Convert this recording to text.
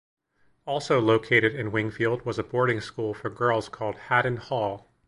Also located in Wingfield was a boarding school for girls called Haddon Hall.